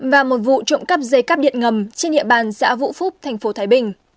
và một vụ trộm cắp dây cắp điện ngầm trên địa bàn xã vũ phúc tp thái bình